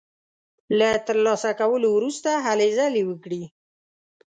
له تر لاسه کولو وروسته هلې ځلې وکړي.